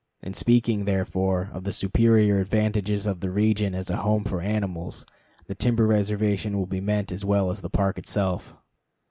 In speaking, therefore, of the superior advantages of the region as a home for animals, the timber reservation will be meant as well as the Park itself.